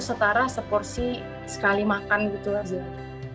setara seporsi sekali makan gitu aja